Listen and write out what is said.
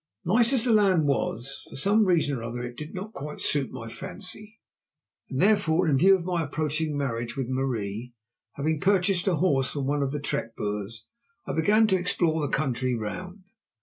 Nice as the land was, for some reason or other it did not quite suit my fancy, and therefore, in view of my approaching marriage with Marie, having purchased a horse from one of the trek Boers, I began to explore the country round.